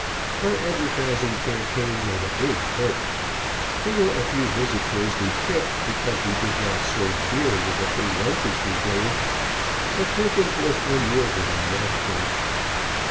Our advertising campaign made a big hit. There were a few visitors who kicked because we did not serve beer with the free lunches we gave, but Perkins was unyielding on that point.